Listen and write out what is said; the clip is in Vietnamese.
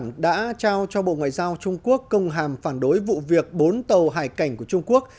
tổng thống hàn quốc đã trao cho bộ ngoại giao trung quốc công hàm phản đối vụ việc bốn tàu hải cảnh của trung quốc